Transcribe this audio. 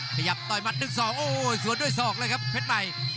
ขยับต่อยมัดหนึ่งสองโอ้โหสวนด้วยสองเลยครับเพชรใหม่